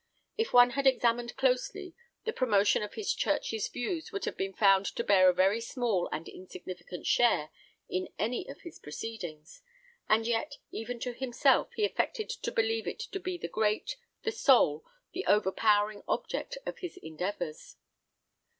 If one had examined closely, the promotion of his church's views would have been found to bear a very small and insignificant share in any of his proceedings; and yet, even to himself, he affected to believe it to be the great, the sole, the overpowering object of his endeavours.